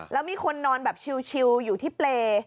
แล้วมีคนนอนแบบชิวอยู่ที่เปรย์